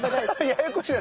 ややこしいな。